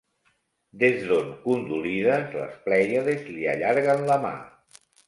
Des d'on, condolides, les plèiades li allarguen la mà.